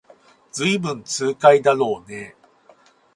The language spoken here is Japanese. ずいぶん痛快だろうねえ